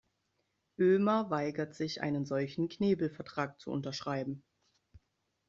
Ömer weigert sich, einen solchen Knebelvertrag zu unterschreiben.